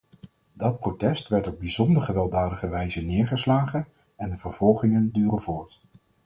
Dat protest werd op bijzonder gewelddadige wijze neergeslagen en de vervolgingen duren voort.